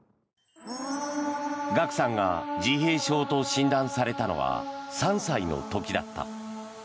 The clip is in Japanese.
ＧＡＫＵさんが自閉症と診断されたのは３歳の時だった。